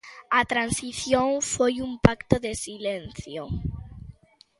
A transición foi un pacto de silencio.